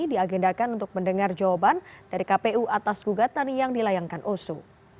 diagendakan untuk mendengar jawaban dari kpu atas gugatan yang dilayangkan oso